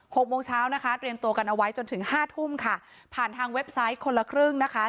หกโมงเช้านะคะเตรียมตัวกันเอาไว้จนถึงห้าทุ่มค่ะผ่านทางเว็บไซต์คนละครึ่งนะคะ